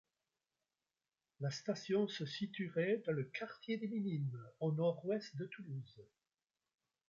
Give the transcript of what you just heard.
La station se situerait dans le quartier des Minimes, au nord-ouest de Toulouse.